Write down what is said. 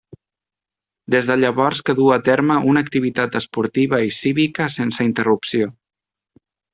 Des de llavors que du a terme una activitat esportiva i cívica sense interrupció.